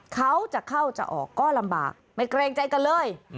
เขาจะเข้าจะออกก็ลำบากไม่เกรงใจกันเลย